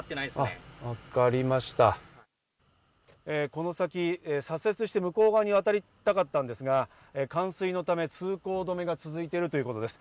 この先、左折して向こう側に渡りたかったんですが、冠水のため通行止めが続いているということです。